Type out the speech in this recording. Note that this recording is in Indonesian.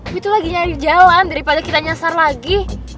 gue tuh lagi nyari jalan daripada kita nyasar lagi